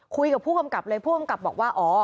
คุยกับผู้กำกับเลยผู้กำกับบอกว่าอ๋อ